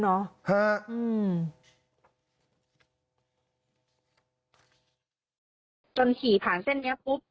จนขี่ผ่านเส้นนี้ปุ๊บ